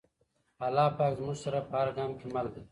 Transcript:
الله پاک زموږ سره په هر ګام کي مل دی.